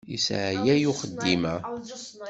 Yesseɛyay uxeddim-a.